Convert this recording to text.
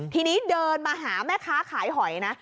ทีนี้เดินมาหาแม่ค้าขายหอยนะ